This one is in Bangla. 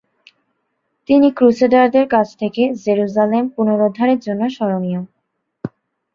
তিনি ক্রুসেডারদের কাছ থেকে জেরুজালেম পুনরুদ্ধারের জন্য স্মরণীয়।